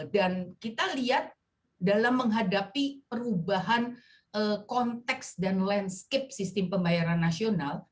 dan kita lihat dalam menghadapi perubahan konteks dan landscape sistem pembayaran nasional